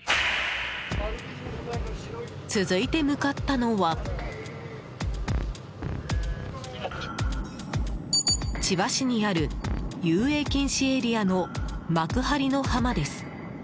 続いて向かったのは千葉市にある遊泳禁止エリアの幕張の浜です。